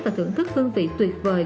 và thưởng thức hương vị tuyệt vời